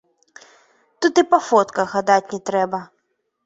Тут і па фотках гадаць не трэба!